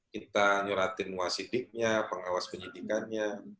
kita nyuratin wasidiknya pengawas penyidikannya